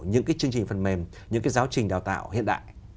những chương trình phần mềm những giáo trình đào tạo hiện đại